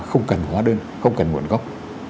không cần hóa đơn không cần nguồn gốc